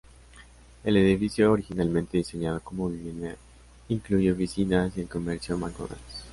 El edificio, originalmente diseñado como vivienda, incluye oficinas y el comercio McDonalds.